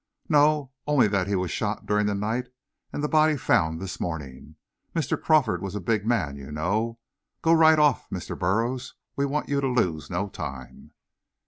"No; only that he was shot during the night and the body found this morning. Mr. Crawford was a big man, you know. Go right off, Mr. Burroughs; we want you to lose no time."